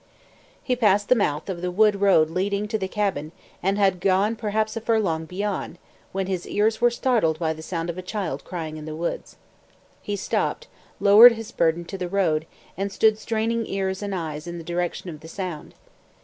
He passed the mouth of the wood road leading to the cabin and had gone perhaps a furlong beyond, when his ears were startled by the sound of a child crying in the woods. He stopped, lowered his burden to the road, and stood straining ears and eyes in the direction of the sound.